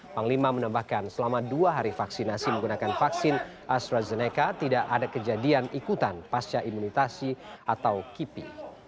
panglima menambahkan selama dua hari vaksinasi menggunakan vaksin astrazeneca tidak ada kejadian ikutan pasca imunisasi atau kipi